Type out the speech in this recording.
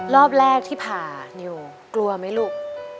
รอบแรกที่ผ่านิวกลัวไหมลูก